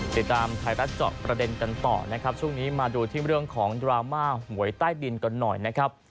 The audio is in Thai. ติดตามไทยรัฐเจาะประเด็นกันต่อนะครับช่วงนี้มาดูที่เรื่องของดราม่าหวยใต้ดินกันหน่อยนะครับ